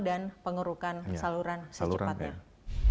dan pengurukan saluran secepatnya